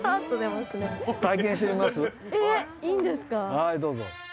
はいどうぞ。